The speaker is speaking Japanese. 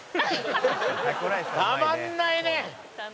たまんないね！